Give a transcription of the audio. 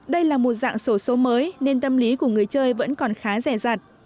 đây là một dạng sổ số mới nên tâm lý của người chơi vẫn còn khá rẻ rạt